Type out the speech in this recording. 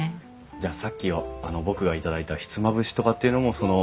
じゃあさっき僕が頂いたひつまぶしとかっていうのもその。